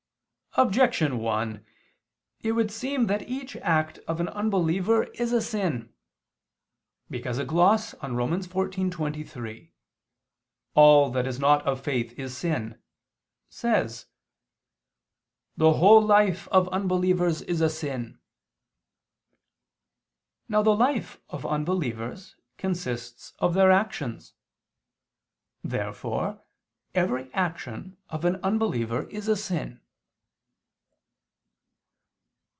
Objection 1: It would seem that each act of an unbeliever is a sin. Because a gloss on Rom. 14:23, "All that is not of faith is sin," says: "The whole life of unbelievers is a sin." Now the life of unbelievers consists of their actions. Therefore every action of an unbeliever is a sin.